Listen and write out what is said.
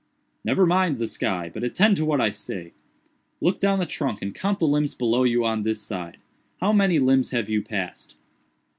"Never mind the sky, but attend to what I say. Look down the trunk and count the limbs below you on this side. How many limbs have you passed?"